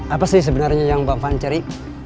apa sih sebenarnya yang bang faang cari